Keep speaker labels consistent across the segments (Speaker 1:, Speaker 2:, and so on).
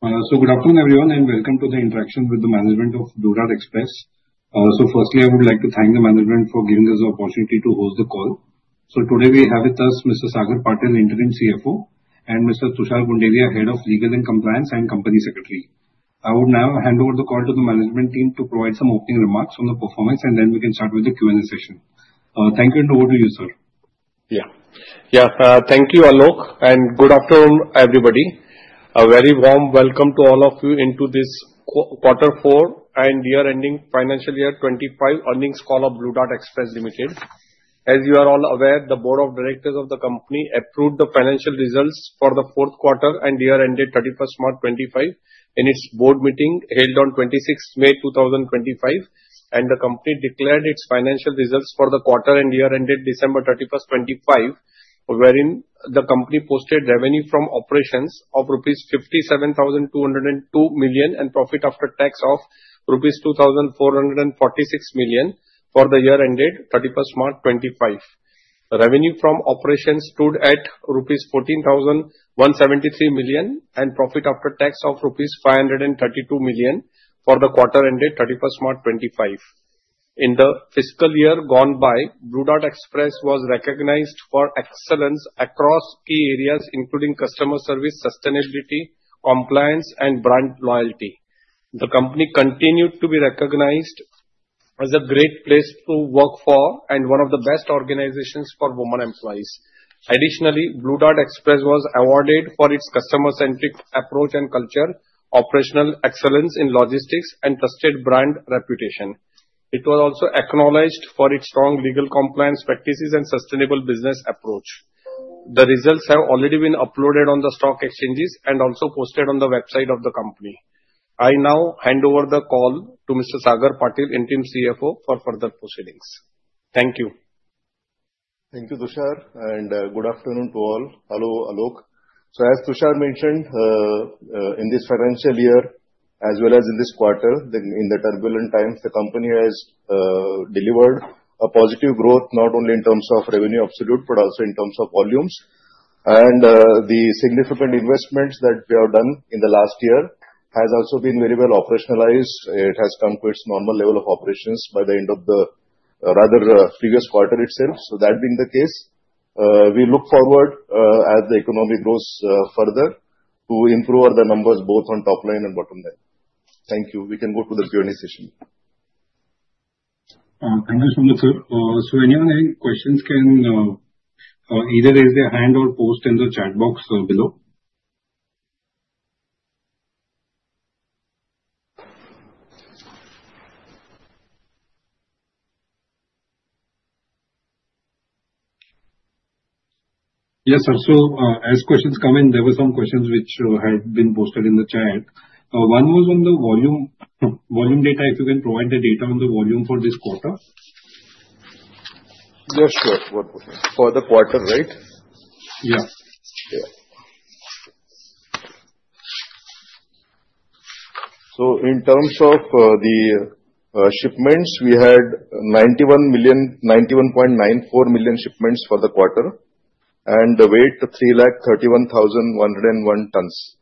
Speaker 1: Good afternoon, everyone, and welcome to the interaction with the management of Blue Dart Express. Firstly, I would like to thank the management for giving us the opportunity to host the call. Today we have with us Mr. Sagar Patil, Interim CFO, and Mr. Tushar Gunderia, Head of Legal and Compliance and Company Secretary. I would now hand over the call to the management team to provide some opening remarks on the performance, and then we can start with the Q&A session. Thank you, and over to you, sir.
Speaker 2: Yeah, yeah, thank you all, and good afternoon, everybody. A very warm welcome to all of you into this Quarter 4 and year-ending Financial Year 2025 Earnings Call of Blue Dart Express Limited. As you are all aware, the Board of Directors of the company approved the financial results for the fourth quarter and year-ended 31st March 2025 in its board meeting held on 26 May 2025, and the company declared its financial results for the quarter and year-ended 31st December 2025, wherein the company posted revenue from operations of 57,202 million rupees and profit after tax of 2,446 million rupees for the year-ended 31st March 2025. Revenue from operations stood at rupees 14,173 million and profit after tax of rupees 532 million for the quarter-ended 31st March 2025. In the fiscal year gone by, Blue Dart Express was recognized for excellence across key areas, including customer service, sustainability, compliance, and brand loyalty. The company continued to be recognized as a great place to work for and one of the best organizations for women employees. Additionally, Blue Dart Express was awarded for its customer-centric approach and culture, operational excellence in logistics, and trusted brand reputation. It was also acknowledged for its strong legal compliance practices and sustainable business approach. The results have already been uploaded on the stock exchanges and also posted on the website of the company. I now hand over the call to Mr. Sagar Patil, Interim CFO, for further proceedings. Thank you.
Speaker 3: Thank you, Tushar, and good afternoon to all. Hello, Alok. As Tushar mentioned, in this financial year, as well as in this quarter, in the turbulent times, the company has delivered a positive growth not only in terms of revenue absolute but also in terms of volumes. The significant investments that we have done in the last year have also been very well operationalized. It has come to its normal level of operations by the end of the rather previous quarter itself. That being the case, we look forward as the economy grows further to improve the numbers both on top line and bottom line. Thank you. We can go to the Q&A session.
Speaker 1: Thank you, Mr. Patil sir. Anyone having questions can either raise their hand or post in the chat box below. Yes, sir. As questions come in, there were some questions which had been posted in the chat. One was on the volume data. If you can provide the data on the volume for this quarter.
Speaker 3: Yes, sure. One question. For the quarter, right?
Speaker 1: Yeah.
Speaker 3: Yeah. In terms of the shipments, we had 91.94 million shipments for the quarter and the weight 331,101 tons.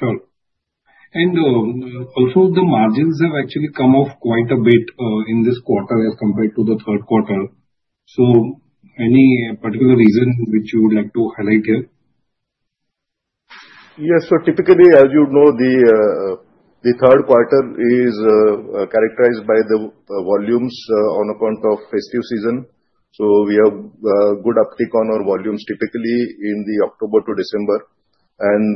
Speaker 1: Sure. Also, the margins have actually come off quite a bit in this quarter as compared to the third quarter. Any particular reason which you would like to highlight here?
Speaker 3: Yes. Typically, as you know, the third quarter is characterized by the volumes on account of festive season. We have a good uptick on our volumes typically in October to December, and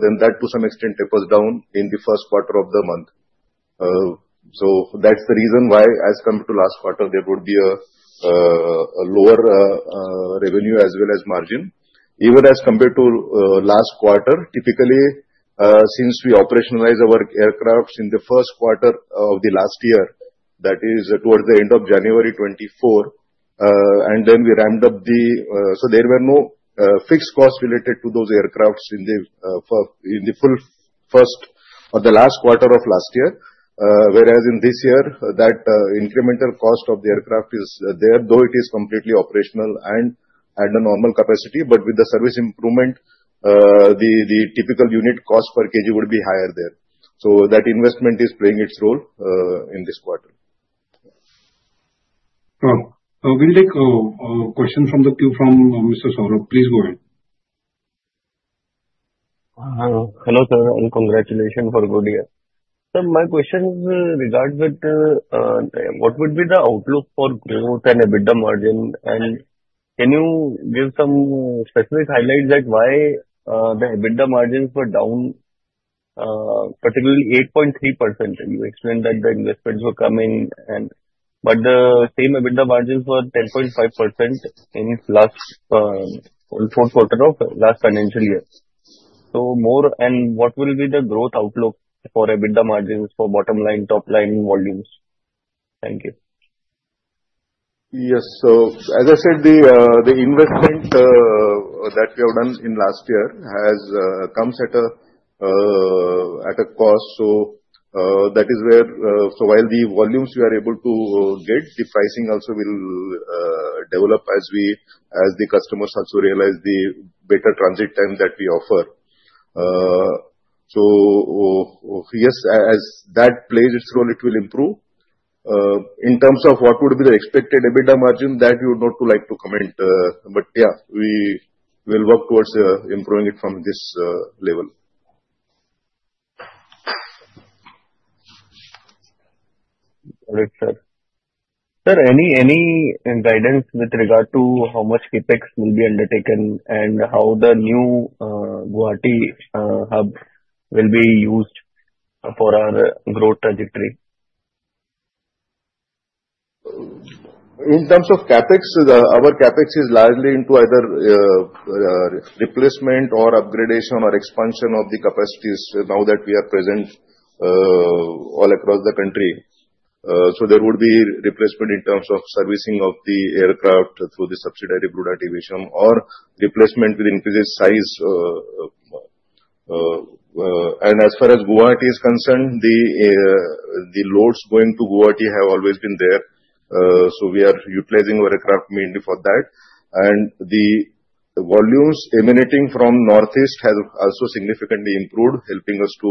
Speaker 3: then that to some extent tapers down in the first quarter of the month. That's the reason why as compared to last quarter, there would be a lower revenue as well as margin. Even as compared to last quarter, typically since we operationalized our aircraft in the first quarter of the last year, that is towards the end of January 2024, and then we ramped up, so there were no fixed costs related to those aircraft in the full first or the last quarter of last year, whereas in this year, that incremental cost of the aircraft is there, though it is completely operational and at a normal capacity, but with the service improvement, the typical unit cost per kg would be higher there. That investment is playing its role in this quarter.
Speaker 1: We'll take a question from the queue from Mr. Saurav. Please go ahead.
Speaker 4: Hello, sir, and congratulations for Good Year. Sir, my question is regards with what would be the outlook for growth and EBITDA margin, and can you give some specific highlights that why the EBITDA margins were down, particularly 8.3%? You explained that the investments were coming, but the same EBITDA margins were 10.5% in last fourth quarter of last financial year. More, and what will be the growth outlook for EBITDA margins for bottom line, top line volumes? Thank you.
Speaker 3: Yes. As I said, the investment that we have done in last year has come at a cost. That is where, while the volumes we are able to get, the pricing also will develop as the customers also realize the better transit time that we offer. Yes, as that plays its role, it will improve. In terms of what would be the expected EBITDA margin, that you would not like to comment, but yeah, we will work towards improving it from this level.
Speaker 4: Great, sir. Sir, any guidance with regard to how much CapEx will be undertaken and how the new Guwahati hub will be used for our growth trajectory?
Speaker 3: In terms of CapEx, our CapEx is largely into either replacement or upgradation or expansion of the capacities now that we are present all across the country. There would be replacement in terms of servicing of the aircraft through the subsidiary Blue Dart Aviation or replacement with increased size. As far as Guwahati is concerned, the loads going to Guwahati have always been there. We are utilizing our aircraft mainly for that. The volumes emanating from northeast have also significantly improved, helping us to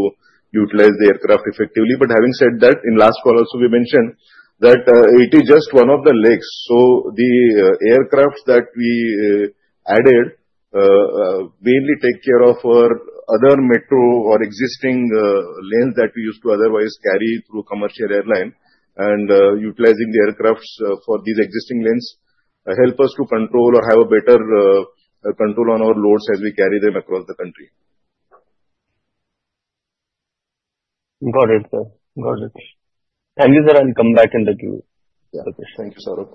Speaker 3: utilize the aircraft effectively. Having said that, in last call also, we mentioned that it is just one of the legs. The aircraft that we added mainly take care of our other metro or existing lanes that we used to otherwise carry through commercial airline, and utilizing the aircraft for these existing lanes help us to control or have a better control on our loads as we carry them across the country.
Speaker 4: Got it, sir. Got it. Thank you, sir, and come back in the queue for questions.
Speaker 3: Thank you, Saurav.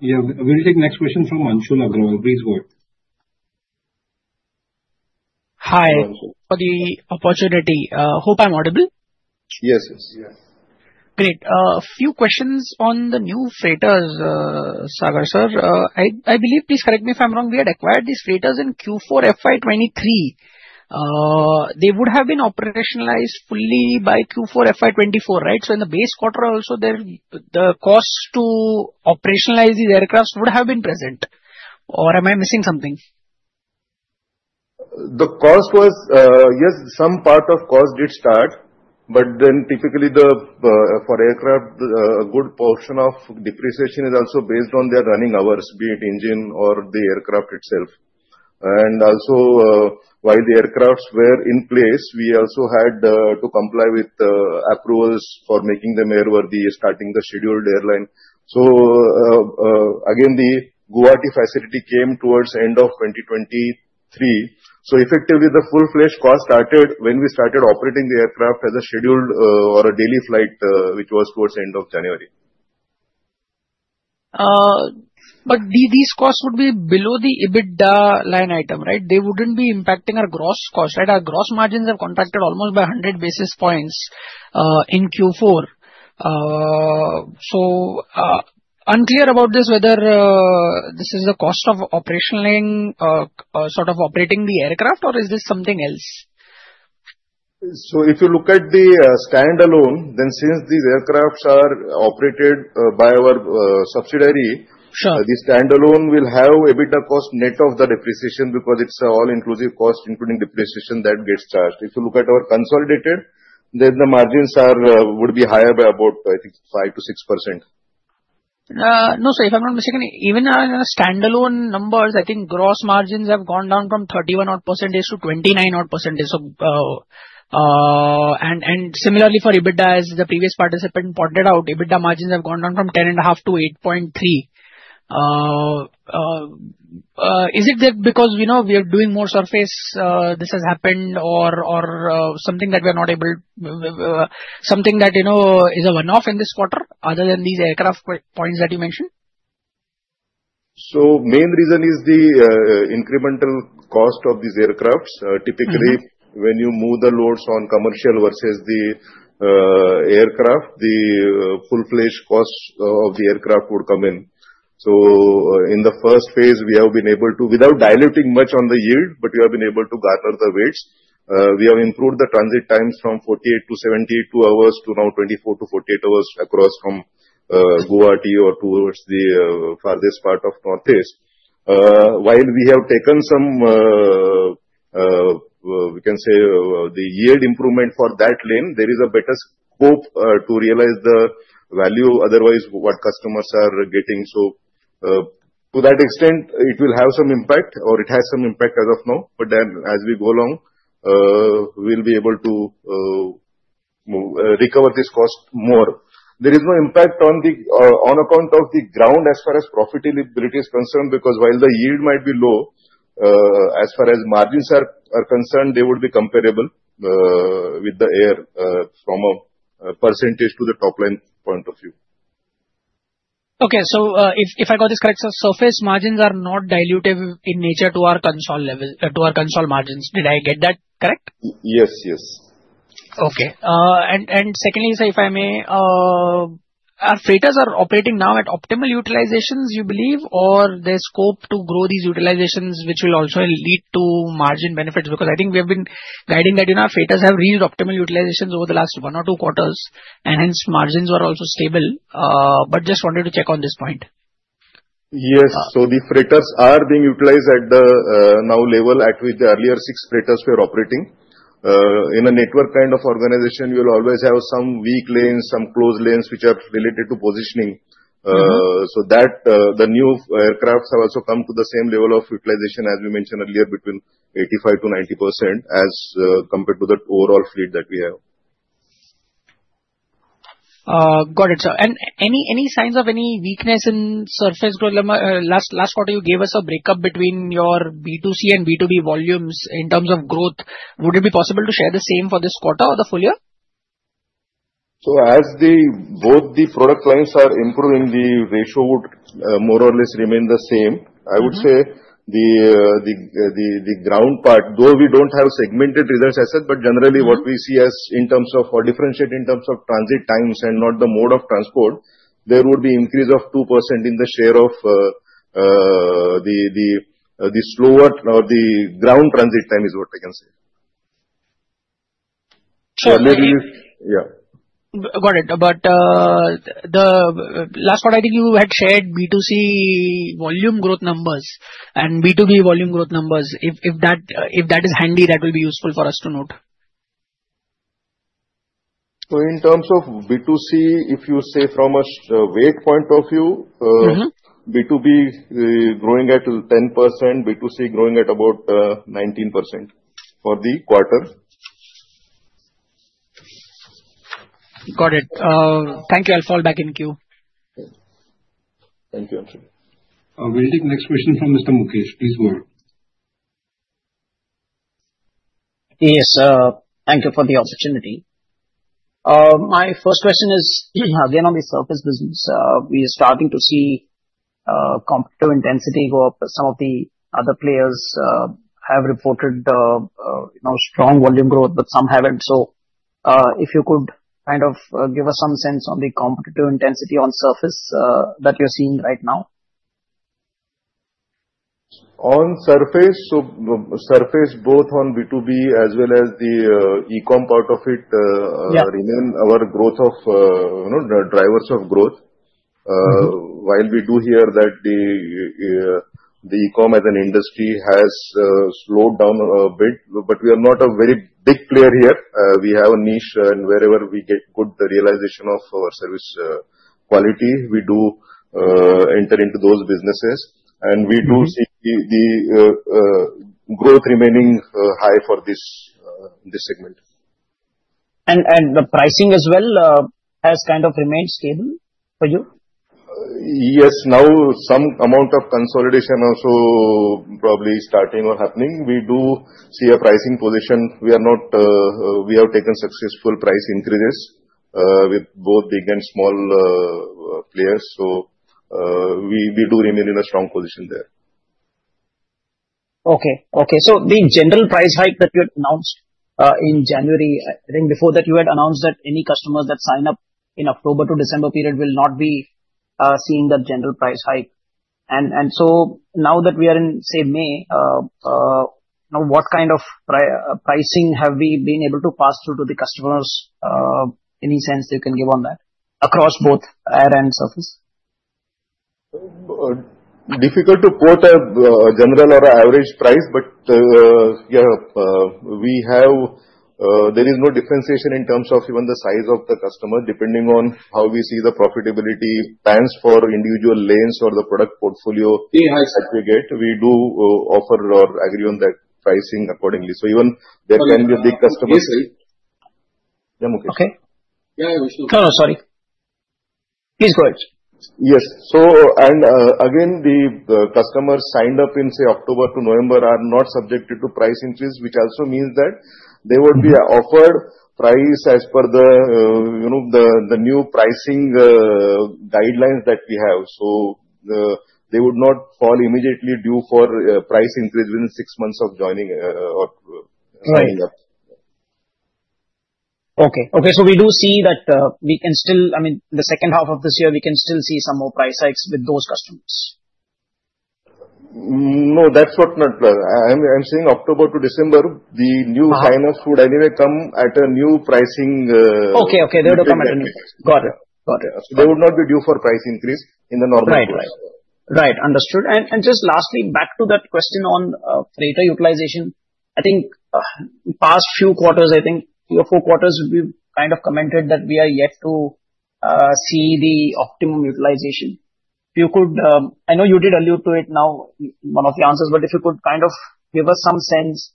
Speaker 1: Yeah, we'll take next question from Anshul Agrawal. Please go ahead.
Speaker 5: Hi. For the opportunity. Hope I'm audible.
Speaker 3: Yes, yes.
Speaker 5: Great. A few questions on the new freighters, Sagar sir. I believe, please correct me if I'm wrong, we had acquired these freighters in Q4 FY 2023. They would have been operationalized fully by Q4 FY 2024, right? In the base quarter also, the cost to operationalize these aircraft would have been present. Or am I missing something?
Speaker 3: The cost was, yes, some part of cost did start, but then typically for aircraft, a good portion of depreciation is also based on their running hours, be it engine or the aircraft itself. Also, while the aircraft were in place, we also had to comply with approvals for making them airworthy, starting the scheduled airline. The Guwahati facility came towards the end of 2023. Effectively, the full-fledged cost started when we started operating the aircraft as a scheduled or a daily flight, which was towards the end of January.
Speaker 5: These costs would be below the EBITDA line item, right? They would not be impacting our gross cost, right? Our gross margins have contracted almost by 100 basis points in Q4. Unclear about this, whether this is the cost of operationalizing, sort of operating the aircraft, or is this something else?
Speaker 3: If you look at the standalone, then since these aircraft are operated by our subsidiary, the standalone will have EBITDA cost net of the depreciation because it is all-inclusive cost, including depreciation that gets charged. If you look at our consolidated, then the margins would be higher by about, I think, 5% to 6%.
Speaker 5: No, sir, if I'm not mistaken, even on the standalone numbers, I think gross margins have gone down from 31% to 29%. And similarly for EBITDA, as the previous participant pointed out, EBITDA margins have gone down from 10.5% to 8.3%. Is it that because we are doing more surface, this has happened or something that we are not able, something that is a one-off in this quarter other than these aircraft points that you mentioned?
Speaker 3: The main reason is the incremental cost of these aircraft. Typically, when you move the loads on commercial versus the aircraft, the full-fledged cost of the aircraft would come in. In the first phase, we have been able to, without diluting much on the yield, but we have been able to garner the weights. We have improved the transit times from 48 to 72 hours to now 24 to 48 hours across from Guwahati or towards the farthest part of northeast. While we have taken some, we can say, the yield improvement for that lane, there is a better scope to realize the value, otherwise what customers are getting. To that extent, it will have some impact or it has some impact as of now, but then as we go along, we'll be able to recover this cost more. There is no impact on account of the ground as far as profitability is concerned because while the yield might be low, as far as margins are concerned, they would be comparable with the air from a percentage to the top line point of view.
Speaker 5: Okay. If I got this correct, surface margins are not dilutive in nature to our consol margins. Did I get that correct?
Speaker 3: Yes, yes.
Speaker 5: Okay. Secondly, sir, if I may, our freighters are operating now at optimal utilizations, you believe, or there's scope to grow these utilizations which will also lead to margin benefits? I think we have been guiding that our freighters have reached optimal utilizations over the last one or two quarters, and hence margins are also stable. Just wanted to check on this point.
Speaker 3: Yes. The freighters are being utilized at the now level at which the earlier six freighters were operating. In a network kind of organization, you will always have some weak lanes, some closed lanes which are related to positioning. The new aircraft have also come to the same level of utilization, as we mentioned earlier, between 85% to 90% as compared to the overall fleet that we have.
Speaker 5: Got it, sir. Any signs of any weakness in surface growth? Last quarter, you gave us a breakup between your B2C and B2B volumes in terms of growth. Would it be possible to share the same for this quarter or the full year?
Speaker 3: As both the product lines are improving, the ratio would more or less remain the same. I would say the ground part, though we do not have segmented results as such, but generally what we see in terms of or differentiate in terms of transit times and not the mode of transport, there would be an increase of 2% in the share of the slower or the ground transit time is what I can say.
Speaker 5: Sure.
Speaker 3: Maybe you, yeah.
Speaker 5: Got it. The last quarter, I think you had shared B2C volume growth numbers and B2B volume growth numbers. If that is handy, that will be useful for us to note.
Speaker 3: In terms of B2C, if you say from a weight point of view, B2B growing at 10%, B2C growing at about 19% for the quarter.
Speaker 5: Got it. Thank you. I'll fall back in queue.
Speaker 3: Thank you, Anshul.
Speaker 1: We'll take next question from Mr. Mukesh. Please go ahead.
Speaker 4: Yes. Thank you for the opportunity. My first question is again on the surface business. We are starting to see competitive intensity go up. Some of the other players have reported strong volume growth, but some have not. If you could kind of give us some sense on the competitive intensity on surface that you are seeing right now.
Speaker 3: On surface, so surface both on B2B as well as the e-com part of it remain our drivers of growth. While we do hear that the e-com as an industry has slowed down a bit, we are not a very big player here. We have a niche, and wherever we get good realization of our service quality, we do enter into those businesses. We do see the growth remaining high for this segment.
Speaker 4: The pricing as well has kind of remained stable for you?
Speaker 3: Yes. Now some amount of consolidation also probably starting or happening. We do see a pricing position. We have taken successful price increases with both big and small players. We do remain in a strong position there.
Speaker 4: Okay. Okay. The general price hike that you had announced in January, I think before that you had announced that any customers that sign up in the October to December period will not be seeing that general price hike. Now that we are in, say, May, what kind of pricing have we been able to pass through to the customers? Any sense you can give on that across both air and surface?
Speaker 3: Difficult to quote a general or average price, but yeah, we have, there is no differentiation in terms of even the size of the customer, depending on how we see the profitability plans for individual lanes or the product portfolio aggregate. We do offer or agree on that pricing accordingly. Even there can be a big customer.
Speaker 4: Yes, sir.
Speaker 3: Yeah, Mukesh.
Speaker 4: Okay. Yeah, Anshul. No, no, sorry. Please go ahead.
Speaker 3: Yes. And again, the customers signed up in, say, October to November are not subjected to price increase, which also means that they would be offered price as per the new pricing guidelines that we have. So they would not fall immediately due for price increase within six months of joining or signing up.
Speaker 4: Okay. Okay. So we do see that we can still, I mean, the second half of this year, we can still see some more price hikes with those customers.
Speaker 3: No, that's what I'm saying. October to December, the new sign-ups would anyway come at a new pricing.
Speaker 4: Okay. Okay. They would have come at a new. Got it. Got it.
Speaker 3: They would not be due for price increase in the normal price.
Speaker 4: Right. Right. Understood. Just lastly, back to that question on freighter utilization, I think past few quarters, I think three or four quarters, we kind of commented that we are yet to see the optimum utilization. I know you did allude to it now in one of the answers, but if you could kind of give us some sense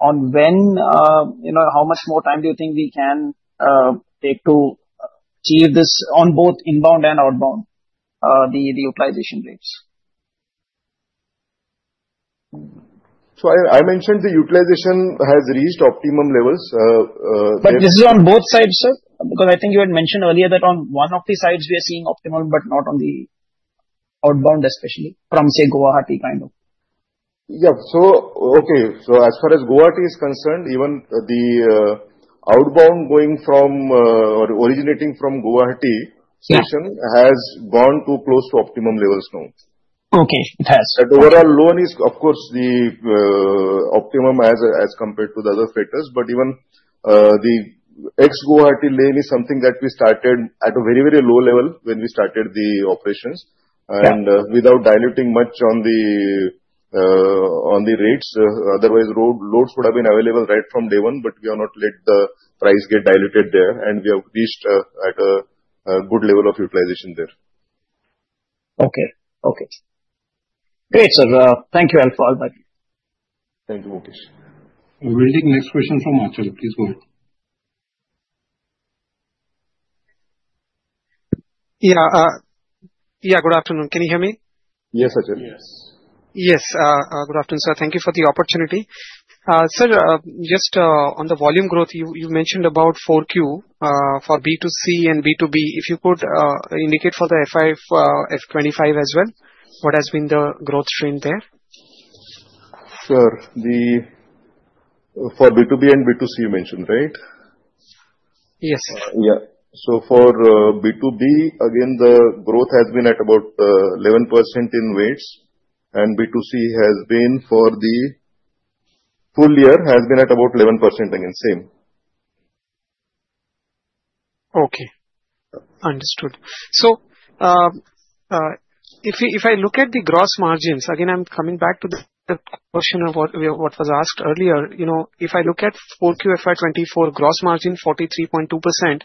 Speaker 4: on when, how much more time do you think we can take to achieve this on both inbound and outbound, the utilization rates?
Speaker 3: I mentioned the utilization has reached optimum levels.
Speaker 4: Is this on both sides, sir? Because I think you had mentioned earlier that on one of the sides, we are seeing optimum, but not on the outbound, especially from, say, Guwahati kind of.
Speaker 3: Yeah. Okay. As far as Guwahati is concerned, even the outbound going from or originating from Guwahati station has gone too close to optimum levels now.
Speaker 4: Okay. It has.
Speaker 3: Overall, low and is, of course, the optimum as compared to the other freighters. Even the ex-Guwahati lane is something that we started at a very, very low level when we started the operations and without diluting much on the rates. Otherwise, loads would have been available right from day one, but we have not let the price get diluted there, and we have reached at a good level of utilization there.
Speaker 4: Okay. Okay. Great, sir. Thank you all for all my view.
Speaker 3: Thank you, Mukesh.
Speaker 1: We'll take next question from Anshul. Please go ahead.
Speaker 5: Yeah. Yeah. Good afternoon. Can you hear me?
Speaker 3: Yes, Anshul.
Speaker 1: Yes.
Speaker 5: Yes. Good afternoon, sir. Thank you for the opportunity. Sir, just on the volume growth, you mentioned about Q4 for B2C and B2B. If you could indicate for the FY, FY25 as well, what has been the growth stream there?
Speaker 3: Sir, for B2B and B2C you mentioned, right?
Speaker 5: Yes.
Speaker 3: Yeah. For B2B, again, the growth has been at about 11% in weights, and B2C has been for the full year has been at about 11% again, same.
Speaker 5: Okay. Understood. If I look at the gross margins, again, I'm coming back to the question of what was asked earlier. If I look at 4Q FY 2024, gross margin 43.2%,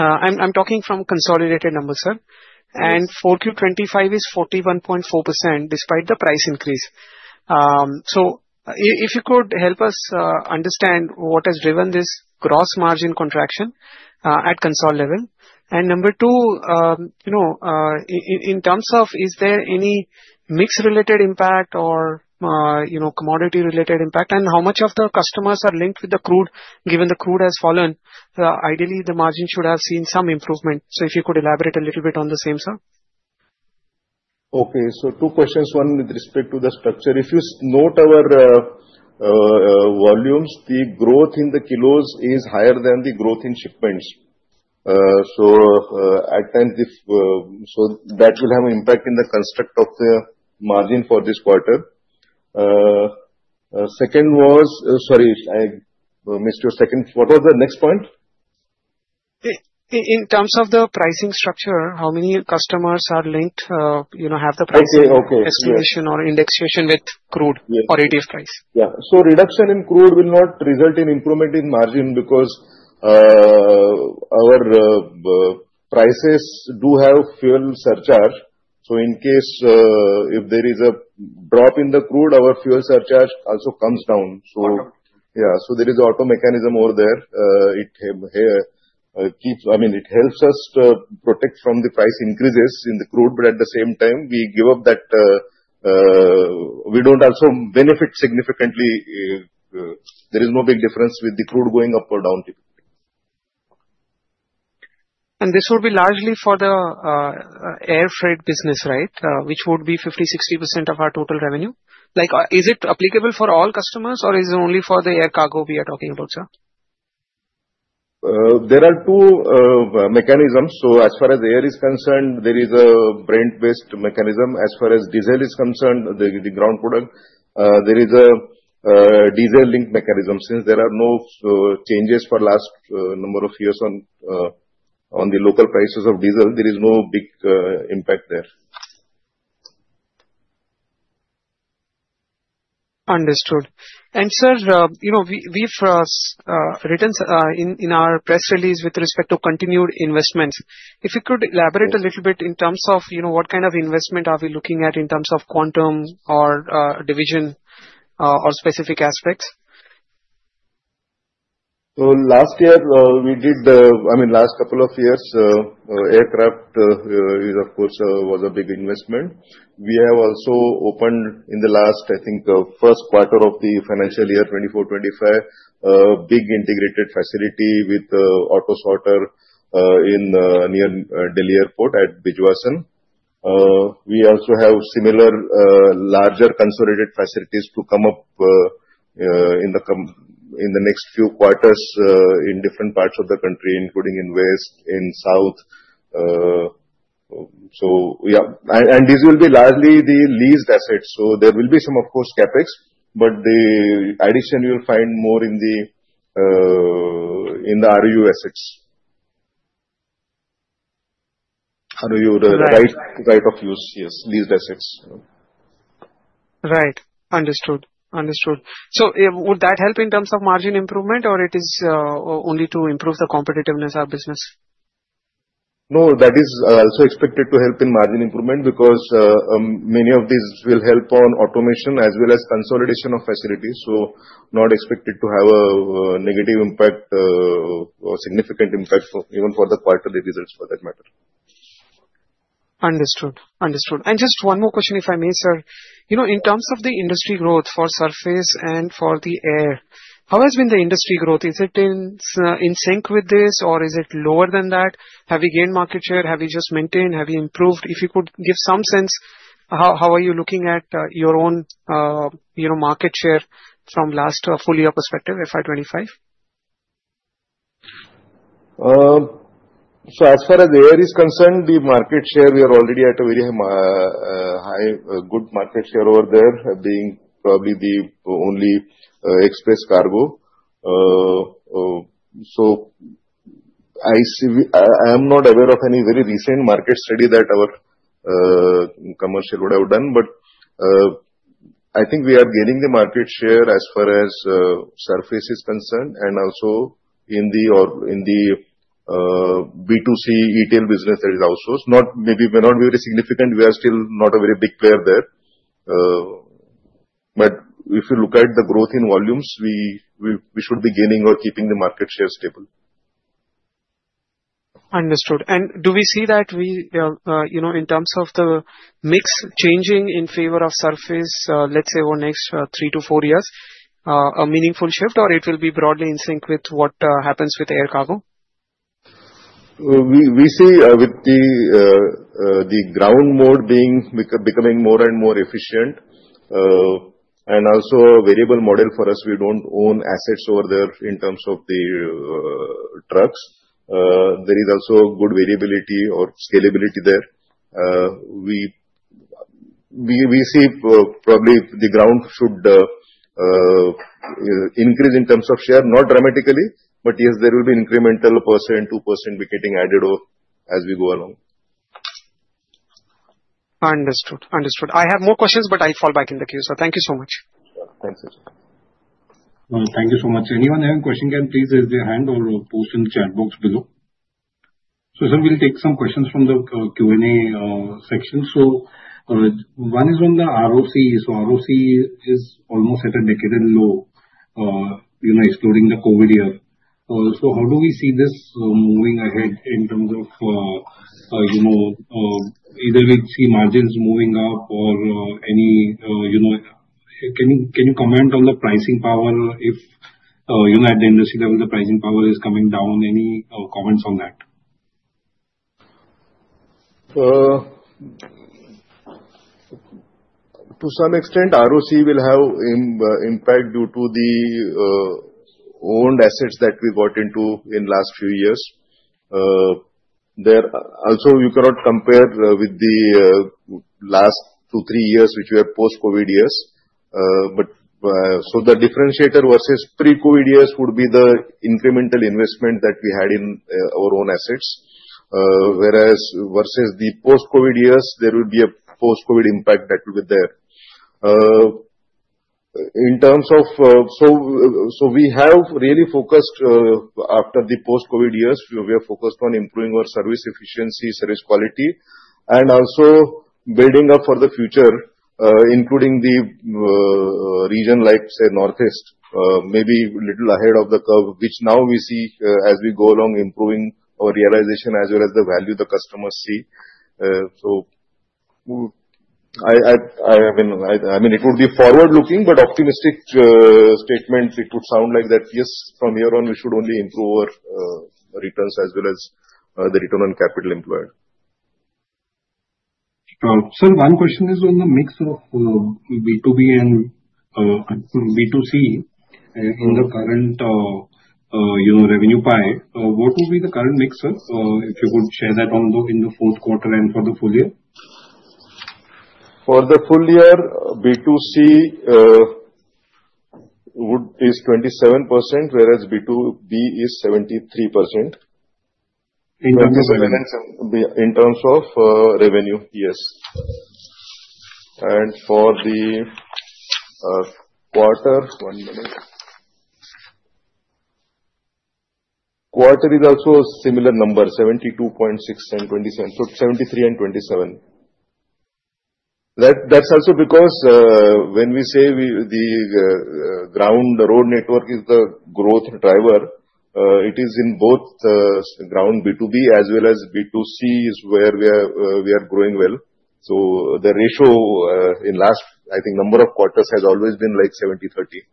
Speaker 5: I'm talking from consolidated numbers, sir. 4Q FY 2025 is 41.4% despite the price increase. If you could help us understand what has driven this gross margin contraction at consol level. Number two, in terms of is there any mix-related impact or commodity-related impact, and how much of the customers are linked with the crude given the crude has fallen, ideally, the margin should have seen some improvement. If you could elaborate a little bit on the same, sir.
Speaker 3: Okay. Two questions. One with respect to the structure. If you note our volumes, the growth in the kilos is higher than the growth in shipments. At times, that will have an impact in the construct of the margin for this quarter. Second was, sorry, I missed your second. What was the next point?
Speaker 5: In terms of the pricing structure, how many customers are linked have the price?
Speaker 3: Okay. Okay.
Speaker 5: Estimation or indexation with crude or ETF price?
Speaker 3: Yeah. Reduction in crude will not result in improvement in margin because our prices do have fuel surcharge. In case there is a drop in the crude, our fuel surcharge also comes down. Yeah. There is an auto mechanism over there. I mean, it helps us protect from the price increases in the crude, but at the same time, we give up that. We do not also benefit significantly. There is no big difference with the crude going up or down.
Speaker 5: This would be largely for the air freight business, right, which would be 50-60% of our total revenue. Is it applicable for all customers, or is it only for the air cargo we are talking about, sir?
Speaker 3: There are two mechanisms. As far as air is concerned, there is a brand-based mechanism. As far as diesel is concerned, the ground product, there is a diesel link mechanism. Since there are no changes for the last number of years on the local prices of diesel, there is no big impact there.
Speaker 5: Understood. Sir, we've written in our press release with respect to continued investments. If you could elaborate a little bit in terms of what kind of investment are we looking at in terms of quantum or division or specific aspects?
Speaker 3: Last year, we did, I mean, last couple of years, aircraft is, of course, was a big investment. We have also opened in the last, I think, first quarter of the financial year 2024-2025, a big integrated facility with auto sorter near Delhi Airport at Bijwasan. We also have similar larger consolidated facilities to come up in the next few quarters in different parts of the country, including in West, in South. Yeah. These will be largely the leased assets. There will be some, of course, CapEx, but the addition you'll find more in the ROU assets. ROU, right of use. Yes. Leased assets.
Speaker 5: Right. Understood. Understood. So would that help in terms of margin improvement, or it is only to improve the competitiveness of business?
Speaker 3: No, that is also expected to help in margin improvement because many of these will help on automation as well as consolidation of facilities. Not expected to have a negative impact or significant impact even for the quarterly results for that matter.
Speaker 5: Understood. Understood. Just one more question, if I may, sir. In terms of the industry growth for surface and for the air, how has been the industry growth? Is it in sync with this, or is it lower than that? Have we gained market share? Have we just maintained? Have we improved? If you could give some sense, how are you looking at your own market share from last full year perspective, FY25?
Speaker 3: As far as the air is concerned, the market share, we are already at a very high, good market share over there, being probably the only express cargo. I am not aware of any very recent market study that our commercial would have done, but I think we are gaining the market share as far as surface is concerned and also in the B2C retail business that is outsourced. Maybe it may not be very significant. We are still not a very big player there. If you look at the growth in volumes, we should be gaining or keeping the market share stable.
Speaker 5: Understood. Do we see that in terms of the mix changing in favor of surface, let's say, over the next three to four years, a meaningful shift, or will it be broadly in sync with what happens with air cargo?
Speaker 3: We see with the ground mode becoming more and more efficient and also a variable model for us. We do not own assets over there in terms of the trucks. There is also good variability or scalability there. We see probably the ground should increase in terms of share, not dramatically, but yes, there will be incremental %, 2% getting added as we go along.
Speaker 5: Understood. Understood. I have more questions, but I fall back in the queue. Thank you so much.
Speaker 3: Thanks, Anshul.
Speaker 1: Thank you so much. Anyone who has a question can, please, raise their hand or post in the chat box below. Sir, we will take some questions from the Q&A section. One is on the ROCE. ROCE is almost at a decade-low excluding the COVID year. How do we see this moving ahead in terms of either, do we see margins moving up, or can you comment on the pricing power if at the industry level the pricing power is coming down? Any comments on that?
Speaker 3: To some extent, ROCE will have impact due to the owned assets that we got into in the last few years. Also, you cannot compare with the last two, three years, which we have post-COVID years. The differentiator versus pre-COVID years would be the incremental investment that we had in our own assets. Whereas versus the post-COVID years, there will be a post-COVID impact that will be there. In terms of, we have really focused after the post-COVID years, we have focused on improving our service efficiency, service quality, and also building up for the future, including the region like, say, Northeast, maybe a little ahead of the curve, which now we see as we go along improving our realization as well as the value the customers see. I mean, it would be forward-looking, but optimistic statement. It would sound like that, yes, from here on, we should only improve our returns as well as the return on capital employed.
Speaker 1: Sir, one question is on the mix of B2B and B2C in the current revenue pie. What would be the current mix, sir? If you could share that in the fourth quarter and for the full year?
Speaker 3: For the full year, B2C is 27%, whereas B2B is 73%.
Speaker 1: In terms of revenue?
Speaker 3: In terms of revenue, yes. For the quarter, one minute. Quarter is also a similar number, 72.6 and 27. So 73 and 27. That is also because when we say the ground road network is the growth driver, it is in both ground B2B as well as B2C is where we are growing well. The ratio in last, I think, number of quarters has always been like 70/30.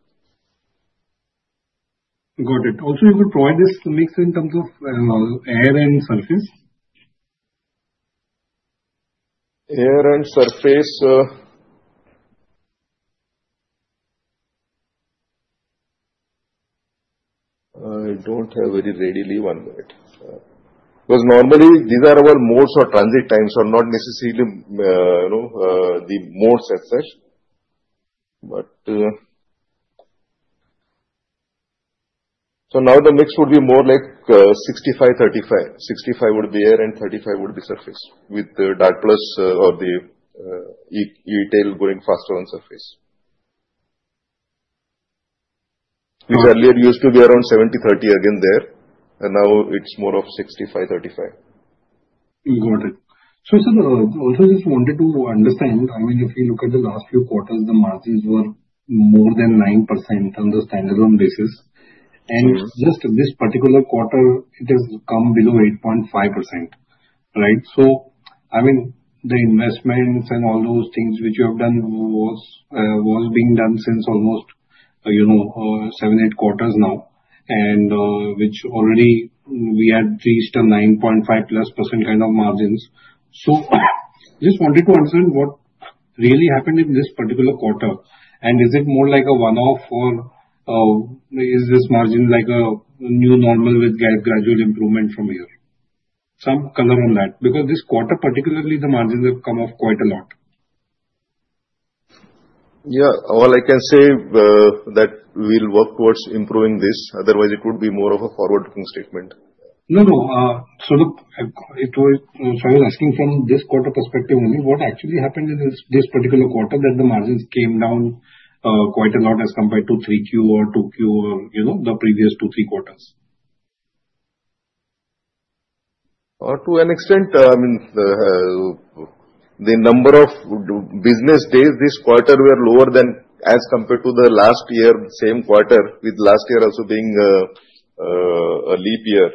Speaker 1: Got it. Also, could you provide this mix in terms of air and surface?
Speaker 3: Air and surface. I don't have very readily. One minute. Because normally, these are our modes or transit times or not necessarily the modes as such. But now the mix would be more like 65/35. 65 would be air and 35 would be surface with the Dart Plus or the ETL going faster on surface. Which earlier used to be around 70/30 again there. Now it's more of 65/35.
Speaker 1: Got it. So sir, also just wanted to understand. I mean, if you look at the last few quarters, the margins were more than 9% on the standalone basis. And just this particular quarter, it has come below 8.5%, right? So I mean, the investments and all those things which you have done was being done since almost seven, eight quarters now, which already we had reached a 9.5 plus % kind of margins. So just wanted to understand what really happened in this particular quarter. And is it more like a one-off or is this margin like a new normal with gradual improvement from here? Some color on that. Because this quarter, particularly, the margins have come off quite a lot.
Speaker 3: Yeah. All I can say is that we'll work towards improving this. Otherwise, it would be more of a forward-looking statement.
Speaker 1: No, no. Look, I was asking from this quarter perspective only, what actually happened in this particular quarter that the margins came down quite a lot as compared to 3Q or 2Q or the previous two, three quarters?
Speaker 3: To an extent, I mean, the number of business days this quarter were lower than as compared to the last year, same quarter, with last year also being a leap year.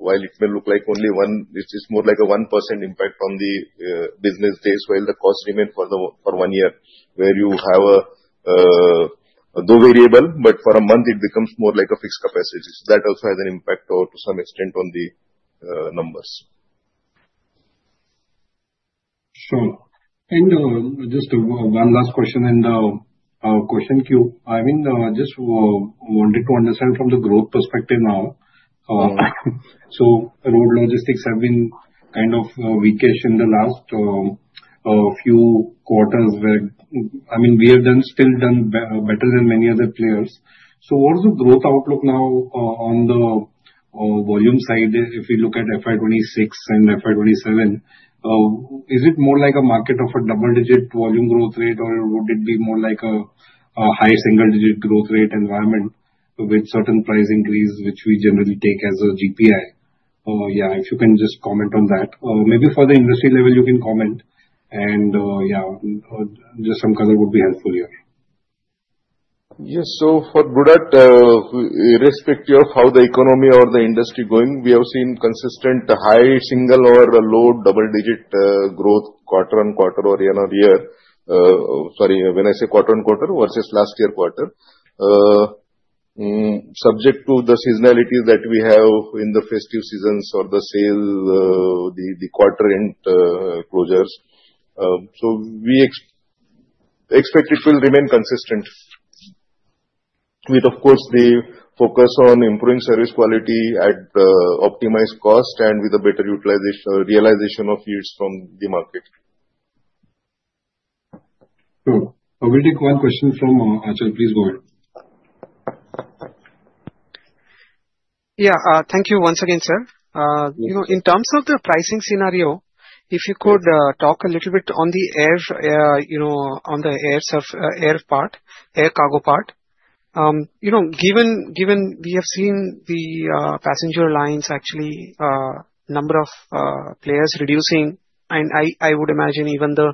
Speaker 3: While it may look like only one, it's more like a 1% impact on the business days while the cost remained for one year, where you have a though variable, but for a month, it becomes more like a fixed capacity. That also has an impact to some extent on the numbers.
Speaker 1: Sure. And just one last question in the question queue. I mean, just wanted to understand from the growth perspective now. Road logistics have been kind of weakish in the last few quarters where, I mean, we have still done better than many other players. What is the growth outlook now on the volume side? If we look at FY 2026 and FY 2027, is it more like a market of a double-digit volume growth rate, or would it be more like a high single-digit growth rate environment with certain price increase, which we generally take as a GPI? Yeah, if you can just comment on that. Maybe for the industry level, you can comment. Yeah, just some color would be helpful here.
Speaker 3: Yes. For Blue Dart, irrespective of how the economy or the industry is going, we have seen consistent high single or low double-digit growth quarter on quarter or year on year. Sorry, when I say quarter on quarter versus last year quarter, subject to the seasonalities that we have in the festive seasons or the sale, the quarter-end closures. We expect it will remain consistent with, of course, the focus on improving service quality at optimized cost and with a better utilization or realization of yields from the market.
Speaker 1: Sure. We'll take one question from Anshul. Please go ahead.
Speaker 5: Yeah. Thank you once again, sir. In terms of the pricing scenario, if you could talk a little bit on the air part, air cargo part. Given we have seen the passenger lines, actually, number of players reducing, and I would imagine even the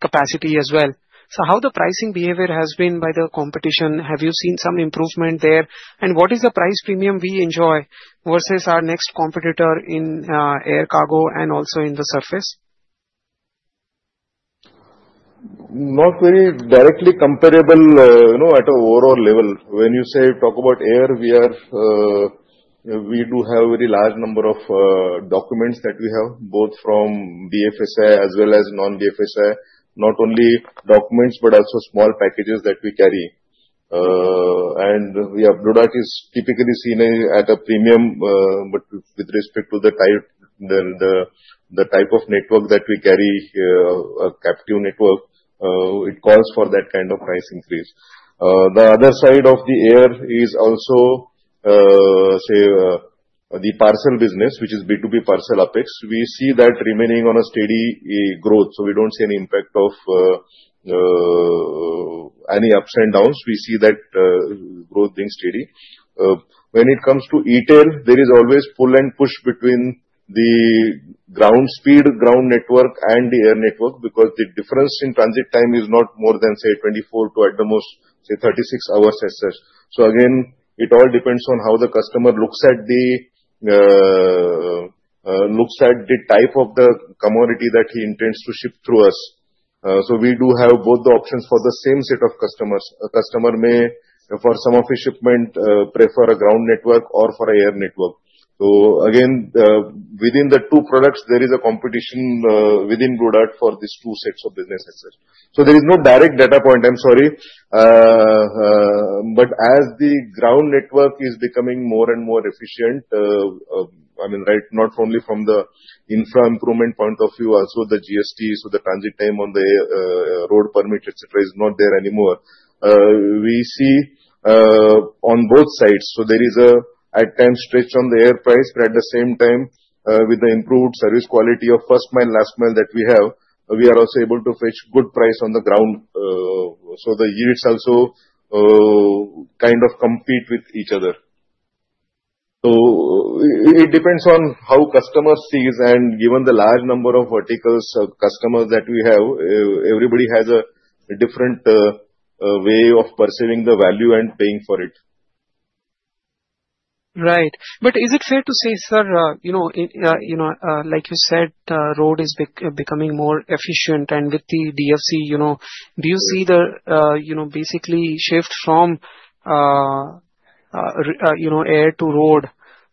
Speaker 5: capacity as well. How has the pricing behavior been by the competition? Have you seen some improvement there? And what is the price premium we enjoy versus our next competitor in air cargo and also in the surface?
Speaker 3: Not very directly comparable at an overall level. When you say talk about air, we do have a very large number of documents that we have, both from BFSI as well as non-BFSI. Not only documents, but also small packages that we carry. Yeah, Blue Dart is typically seen at a premium, but with respect to the type of network that we carry, a captive network, it calls for that kind of price increase. The other side of the air is also, say, the parcel business, which is B2B parcel Apex. We see that remaining on a steady growth. We do not see any impact of any ups and downs. We see that growth being steady. When it comes to ETL, there is always pull and push between the ground speed, ground network, and the air network because the difference in transit time is not more than, say, 24 to at the most, say, 36 hours as such. It all depends on how the customer looks at the type of the commodity that he intends to ship through us. We do have both the options for the same set of customers. A customer may, for some of his shipment, prefer a ground network or an air network. Within the two products, there is a competition within Blue Dart for these two sets of business as such. There is no direct data point, I'm sorry. As the ground network is becoming more and more efficient, I mean, right, not only from the infra improvement point of view, also the GST, so the transit time on the road permit, etc., is not there anymore. We see on both sides. There is an at-time stretch on the air price, but at the same time, with the improved service quality of first-mile, last-mile that we have, we are also able to fetch good price on the ground. The yields also kind of compete with each other. It depends on how customer sees. Given the large number of verticals of customers that we have, everybody has a different way of perceiving the value and paying for it.
Speaker 5: Right. Is it fair to say, sir, like you said, road is becoming more efficient and with the DFC, do you see the basically shift from air to road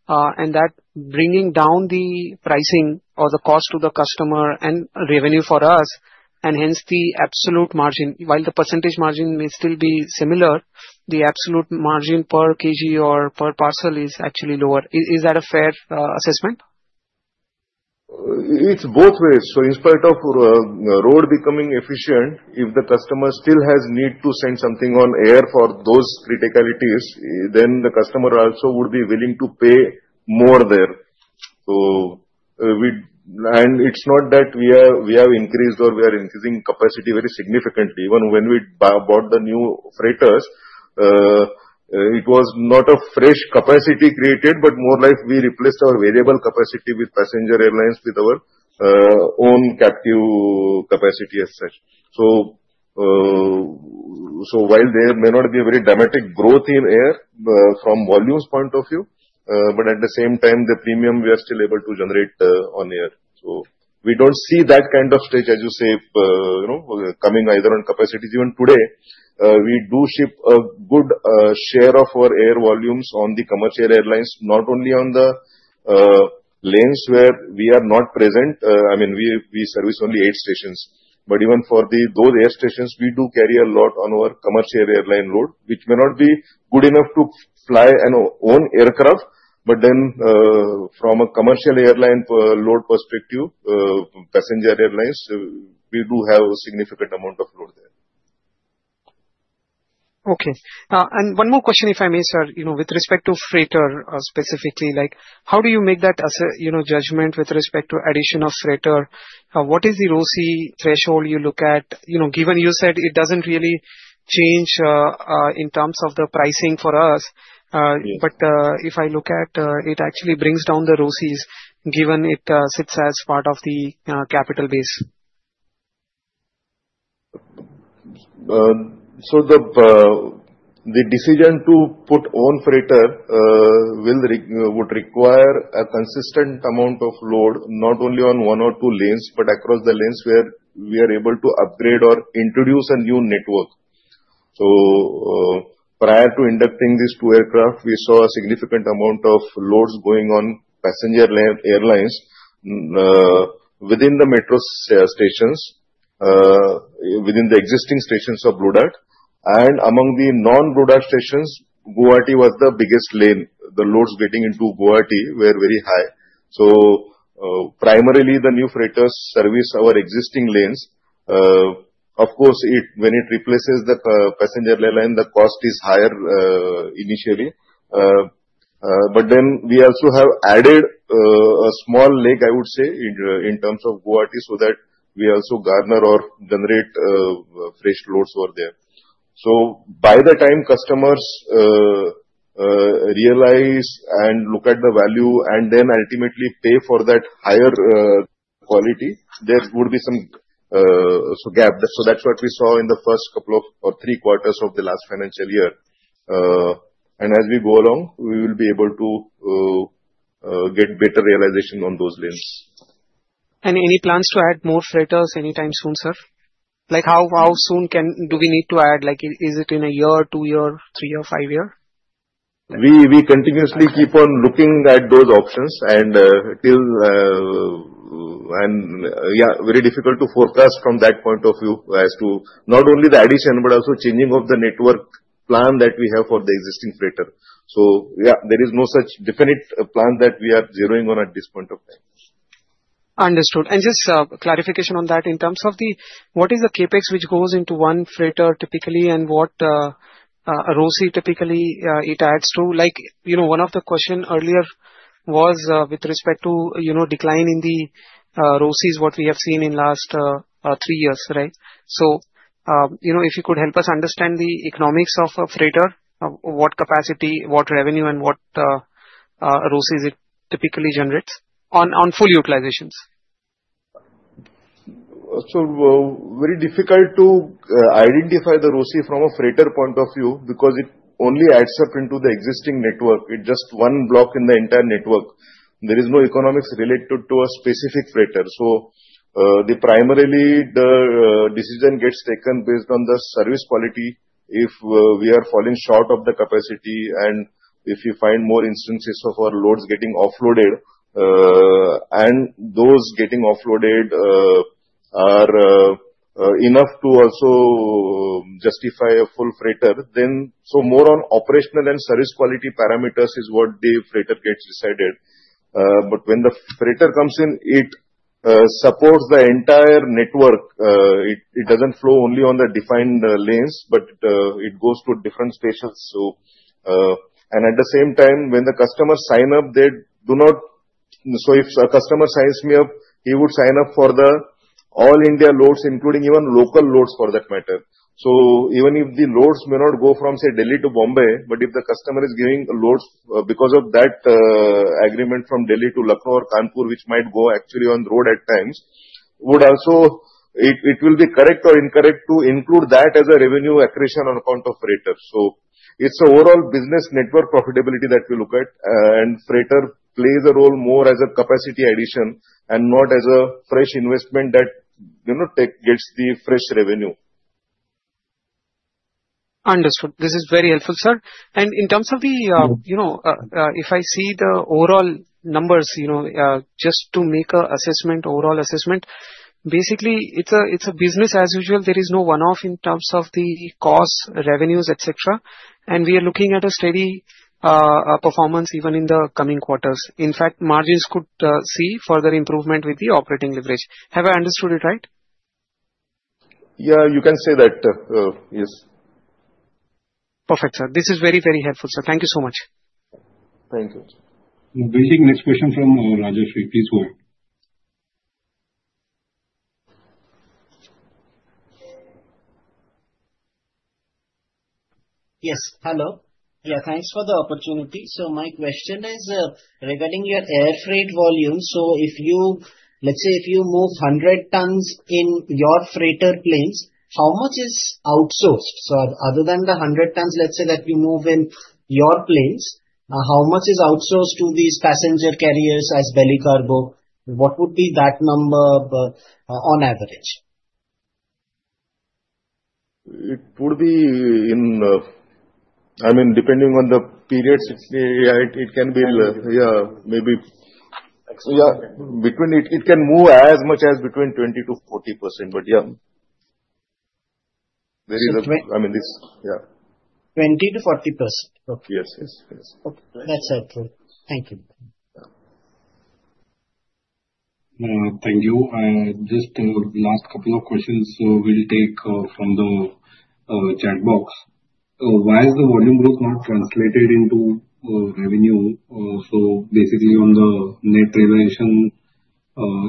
Speaker 5: and that bringing down the pricing or the cost to the customer and revenue for us, and hence the absolute margin, while the percentage margin may still be similar, the absolute margin per kg or per parcel is actually lower? Is that a fair assessment?
Speaker 3: It's both ways. In spite of road becoming efficient, if the customer still has need to send something on air for those criticalities, then the customer also would be willing to pay more there. It's not that we have increased or we are increasing capacity very significantly. Even when we bought the new freighters, it was not a fresh capacity created, but more like we replaced our variable capacity with passenger airlines with our own captive capacity as such. While there may not be a very dramatic growth in air from volumes point of view, at the same time, the premium we are still able to generate on air. We don't see that kind of stretch, as you say, coming either on capacities. Even today, we do ship a good share of our air volumes on the commercial airlines, not only on the lanes where we are not present. I mean, we service only eight stations. I mean, even for those air stations, we do carry a lot on our commercial airline load, which may not be good enough to fly an own aircraft. Then from a commercial airline load perspective, passenger airlines, we do have a significant amount of load there.
Speaker 5: Okay. One more question, if I may, sir, with respect to freighter specifically, how do you make that judgment with respect to addition of freighter? What is the ROCE threshold you look at? Given you said it does not really change in terms of the pricing for us, but if I look at it, it actually brings down the ROCEs given it sits as part of the capital base.
Speaker 3: The decision to put on freighter would require a consistent amount of load, not only on one or two lanes, but across the lanes where we are able to upgrade or introduce a new network. Prior to inducting these two aircraft, we saw a significant amount of loads going on passenger airlines within the metro stations, within the existing stations of Blue Dart. Among the non-Blue Dart stations, Guwahati was the biggest lane. The loads getting into Guwahati were very high. Primarily, the new freighters service our existing lanes. Of course, when it replaces the passenger airline, the cost is higher initially. We have also added a small leg, I would say, in terms of Guwahati so that we also garner or generate fresh loads over there. By the time customers realize and look at the value and then ultimately pay for that higher quality, there would be some gap. That is what we saw in the first couple of or three quarters of the last financial year. As we go along, we will be able to get better realization on those lanes.
Speaker 5: Any plans to add more freighters anytime soon, sir? Like how soon do we need to add? Is it in a year, two years, three years, five years?
Speaker 3: We continuously keep on looking at those options. Yeah, very difficult to forecast from that point of view as to not only the addition, but also changing of the network plan that we have for the existing freighter. Yeah, there is no such definite plan that we are zeroing on at this point of time.
Speaker 5: Understood. Just clarification on that. In terms of the what is the CapEx which goes into one freighter typically and what ROCE typically it adds to? One of the questions earlier was with respect to decline in the ROCEs, what we have seen in last three years, right? If you could help us understand the economics of a freighter, what capacity, what revenue, and what ROCEs it typically generates on full utilizations.
Speaker 3: Very difficult to identify the ROSI from a freighter point of view because it only adds up into the existing network. It's just one block in the entire network. There is no economics related to a specific freighter. Primarily, the decision gets taken based on the service quality. If we are falling short of the capacity and if we find more instances of our loads getting offloaded and those getting offloaded are enough to also justify a full freighter, then more on operational and service quality parameters is what the freighter gets decided. When the freighter comes in, it supports the entire network. It doesn't flow only on the defined lanes, but it goes to different stations. At the same time, when the customer signs up, they do not, so if a customer signs me up, he would sign up for the all India loads, including even local loads for that matter. Even if the loads may not go from, say, Delhi to Mumbai, but if the customer is giving loads because of that agreement from Delhi to Lucknow or Kanpur, which might go actually on the road at times, it will be correct or incorrect to include that as a revenue accretion on account of freighters. It is overall business network profitability that we look at. Freighter plays a role more as a capacity addition and not as a fresh investment that gets the fresh revenue.
Speaker 5: Understood. This is very helpful, sir. In terms of the, if I see the overall numbers, just to make an overall assessment, basically, it's a business as usual. There is no one-off in terms of the costs, revenues, etc. We are looking at a steady performance even in the coming quarters. In fact, margins could see further improvement with the operating leverage. Have I understood it right?
Speaker 3: Yeah, you can say that. Yes.
Speaker 5: Perfect, sir. This is very, very helpful, sir. Thank you so much.
Speaker 3: Thank you.
Speaker 1: Basic next question from Rajesh. Please go ahead.
Speaker 5: Yes. Hello. Yeah, thanks for the opportunity. My question is regarding your air freight volume. Let's say if you move 100 tons in your freighter planes, how much is outsourced? Other than the 100 tons you move in your planes, how much is outsourced to these passenger carriers as belly cargo? What would be that number on average?
Speaker 3: It would be in, I mean, depending on the periods, it can be, yeah, maybe between, it can move as much as between 20% to 40%. Yeah, there is a, I mean, this, yeah.
Speaker 5: 20% to 40%.
Speaker 3: Yes, yes, yes.
Speaker 5: That's helpful. Thank you.
Speaker 1: Thank you. Just last couple of questions we'll take from the chat box. Why is the volume growth not translated into revenue? So basically on the net realization,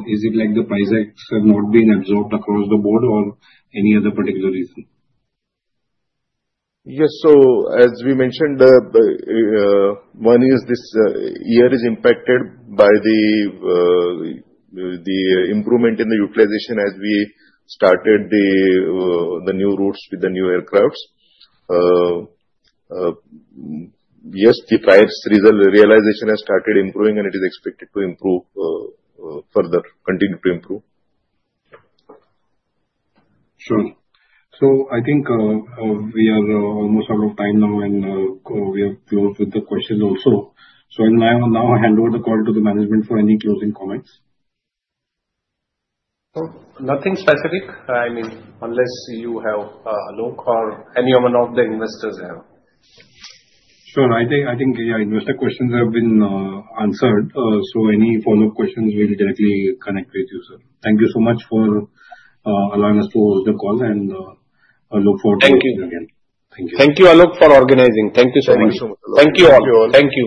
Speaker 1: is it like the price X has not been absorbed across the board or any other particular reason?
Speaker 3: Yes. As we mentioned, one is this year is impacted by the improvement in the utilization as we started the new routes with the new aircraft. Yes, the price realization has started improving and it is expected to improve further, continue to improve.
Speaker 1: Sure. I think we are almost out of time now and we are close with the questions also. I will now hand over the call to the management for any closing comments.
Speaker 3: Nothing specific. I mean, unless you have a loan or any of the investors have.
Speaker 1: Sure. I think, yeah, investor questions have been answered. Any follow-up questions, we'll directly connect with you, sir. Thank you so much for allowing us to host the call and look forward to hearing from you.
Speaker 3: Thank you. Thank you.
Speaker 2: Thank you a lot for organizing. Thank you so much.
Speaker 3: Thank you all. Thank you.